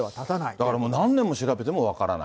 だから何年も調べても分からない。